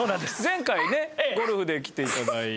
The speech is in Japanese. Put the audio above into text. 前回ねゴルフで来て頂いて。